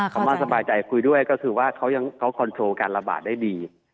คำว่าสบายใจคุยด้วยก็คือว่าเขาคอนโทรลการระบาดได้ดี